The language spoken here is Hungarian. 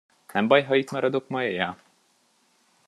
Nem baj, ha itt maradok ma éjjel?